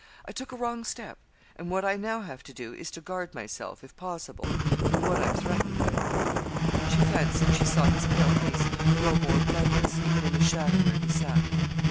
I took a wrong step; and what I now have to do is to guard myself, if possible, from what I'm threatened with.' She fancied she saw his pale face grow more bloodless, even in the shadow where he sat.